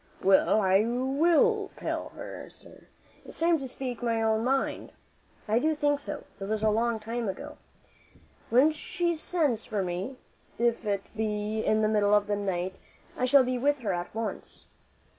"Well, I will tell her, sir. It's time to speak my own mind." "I think so. It was time long ago. When she sends for me, if it be in the middle of the night, I shall be with her at once."